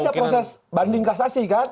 itu biar aja proses banding kasasi kan